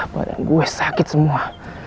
badan gue sakit semua